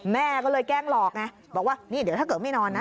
แม่ก็เลยแกล้งหลอกไงบอกว่านี่เดี๋ยวถ้าเกิดไม่นอนนะ